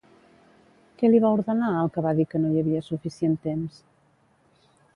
Què li va ordenar el que va dir que no hi havia suficient temps?